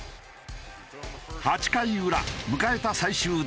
８回裏迎えた最終打席。